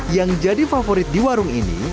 yang jadi favorit di warung ini